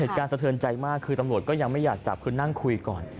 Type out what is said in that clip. สะเทินใจมากคือตำรวจก็ยังไม่อยากจับคือนั่งคุยก่อน